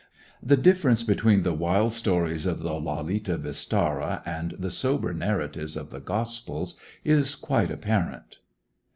The difference between the wild stories of the Lalita Vistara and the sober narratives of the Gospels is quite apparent.